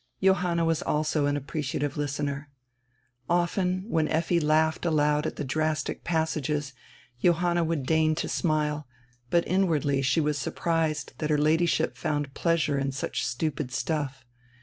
Johanna was also an apprecia tive listener. Often, when Effi laughed aloud at die drastic passages, Johanna would deign to smile, but inwardly she was sur prised that her Ladyship found pleasure in such stupid stuff.